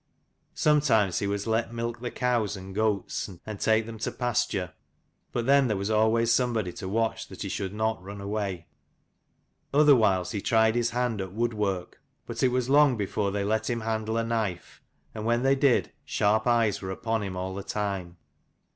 Sometimes he was let milk the cows and goats, and take them to pasture; but then there was always somebody to watch that he should not run away. Other whiles he tried his hand at woodwork : but it was long before they let him handle a knife, and when they did, sharp eyes were upon him all the time.